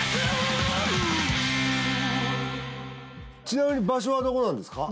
ちなみに場所はどこなんですか？